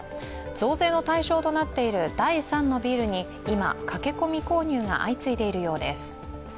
増税の対象となっている第３のビールに今、駆け込み購入が相次いでいるようです。